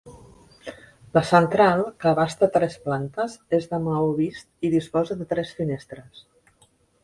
La central que abasta tres plantes, és de maó vist i disposa de tres finestres.